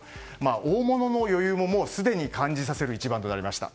大物の余裕もすでに感じさせる一番となりました。